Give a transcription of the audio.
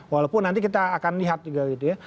walaupun nanti kita akan lihat juga gitu ya